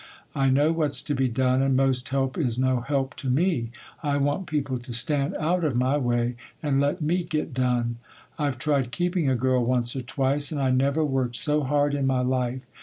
I know what's to be done, and most help is no help to me. I want people to stand out of my way and let me get done. I've tried keeping a girl once or twice, and I never worked so hard in my life.